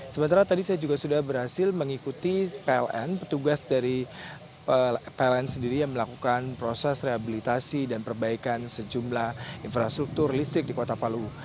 sementara tadi saya juga sudah berhasil mengikuti pln petugas dari pln sendiri yang melakukan proses rehabilitasi dan perbaikan sejumlah infrastruktur listrik di kota palu